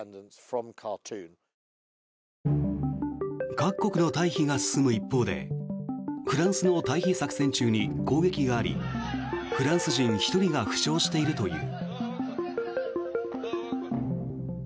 各国の退避が進む一方でフランスの退避作戦中に攻撃がありフランス人１人が負傷しているという。